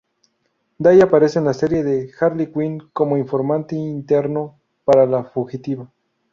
Day aparece en la serie de Harley Quinn, como informante interno para la fugitiva.